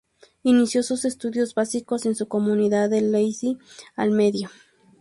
Inició sus estudios básicos en su comunidad de Licey al Medio.